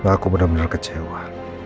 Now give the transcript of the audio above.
aku benar benar kecewa